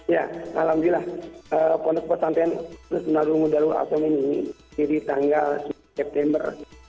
ya alhamdulillah pondok pesantren darul asyom ini jadi tanggal september dua ribu sembilan belas